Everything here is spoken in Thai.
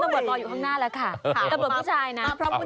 คุณตบวจรออยู่ข้างหน้าแล้วค่ะ